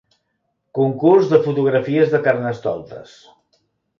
Concurs de fotografies de Carnestoltes.